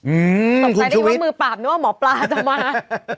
อืมคุณชุวิตตอบใส่ได้ยินว่ามือปราบนึกว่าหมอปลาจะมา